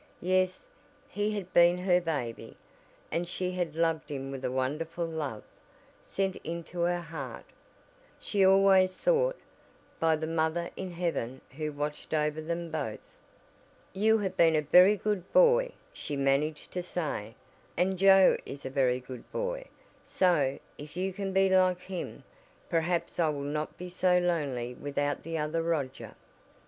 Yes, he bad been her baby, and she had loved him with a wonderful love sent into her heart, she always thought, by the mother in heaven who watched over them both. "You have been a very good boy," she managed to say, "and Joe is a very good boy, so, if you can be like him, perhaps I will not be so lonely without the other Roger."